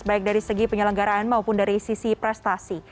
baik dari segi penyelenggaraan maupun dari sisi prestasi